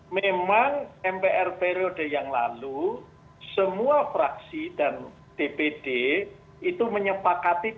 memang mpr periode yang lalu semua fraksi dan dpd itu menyepakati